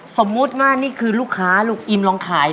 สมมุติว่านี่คือลูกค้าลูกอิมลองขาย